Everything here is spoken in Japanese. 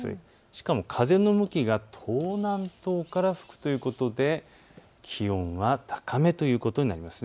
しかも風の向きが東南東から吹くということで気温は高めということになります。